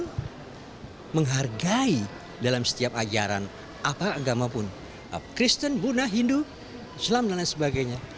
kita menghargai dalam setiap ajaran apa agama pun kristen buna hindu islam dan lain sebagainya